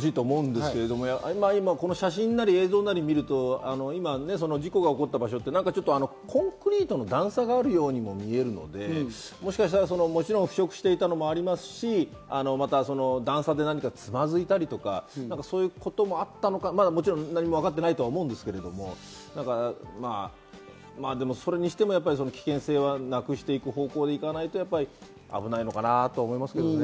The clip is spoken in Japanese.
もちろん難しいと思うんですが、写真なり映像なりを見ると、事故が起こった場所というのはコンクリートの段差があるように見えるので、もちろん腐食していたのもありますし、段差で何かつまづいたりとか、そういうこともあったのか、まだ何も分かっていないとは思いますけれども、まぁでも、それにしても危険性はなくしていく方向でいかないと、危ないのかなと思いますけどね。